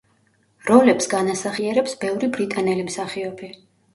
როლებს განასახიერებს ბევრი ბრიტანელი მსახიობი.